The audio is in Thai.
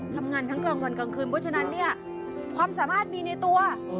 ทำงานทั้งกลางวันกลางคืนเพราะฉะนั้นเนี่ยความสามารถมีในตัว